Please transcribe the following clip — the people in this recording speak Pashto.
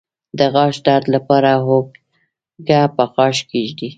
د غاښ درد لپاره هوږه په غاښ کیږدئ